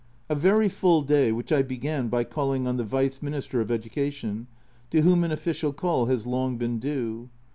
A very full day, which I began by calling on the Vice Minister of Education, to whom an official call has long been due.